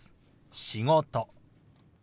「仕事」。